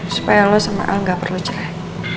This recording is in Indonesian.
supaya lo sama allah gak perlu cerai